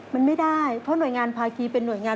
มันไม่ได้เพราะหน่วยงานภาคีเป็นห่วยงาน